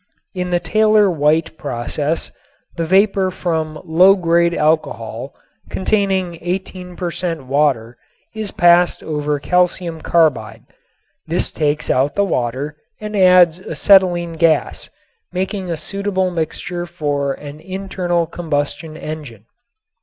In the Taylor White process the vapor from low grade alcohol containing 17 per cent. water is passed over calcium carbide. This takes out the water and adds acetylene gas, making a suitable mixture for an internal combustion engine.